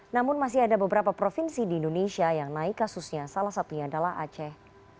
namun masih ada beberapa provinsi di indonesia yang naik kasusnya salah satunya adalah aceh